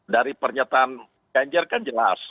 dari pernyataan ganjar kan jelas